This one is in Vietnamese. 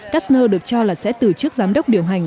custner được cho là sẽ từ chức giám đốc điều hành